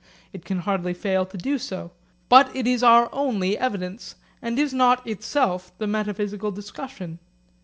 It can hardly fail to do so. But it is only evidence, and is not itself the metaphysical discussion.